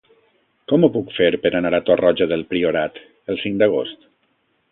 Com ho puc fer per anar a Torroja del Priorat el cinc d'agost?